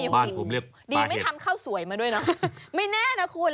บ้านผมเรียกปลาเห็นดีไม่ทำข้าวสวยมาด้วยนะไม่แน่นะคุณ